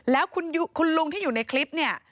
แล้วคุณลุงที่อยู่ในคลิปเนี่ย